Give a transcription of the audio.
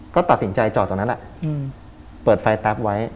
ก็ตัดสิ่งใจจอดตรงนั้นแหละเปิดไฟแทรปไว้